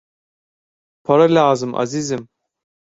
Para lazım azizim!